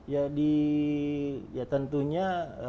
ya di ya tentunya